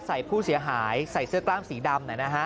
ใส่ผู้เสียหายใส่เสื้อกล้ามสีดำ